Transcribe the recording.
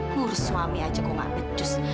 ngurus suami aja kok gak becus